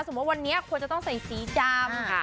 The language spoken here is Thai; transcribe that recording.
สมมุติวันนี้ควรจะต้องใส่สีดำค่ะ